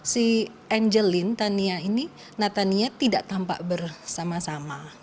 si angelin tania ini natania tidak tampak bersama sama